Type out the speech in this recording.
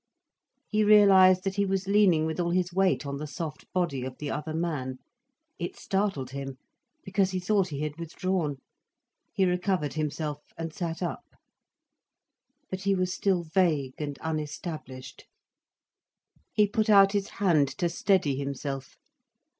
He realised that he was leaning with all his weight on the soft body of the other man. It startled him, because he thought he had withdrawn. He recovered himself, and sat up. But he was still vague and unestablished. He put out his hand to steady himself.